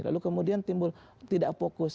lalu kemudian timbul tidak fokus